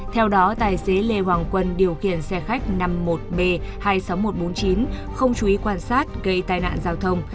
theo đó tài xế lê hoàng quân điều khiển xe khách năm mươi một b hai mươi sáu nghìn một trăm bốn mươi chín không chú ý quan sát gây tai nạn giao thông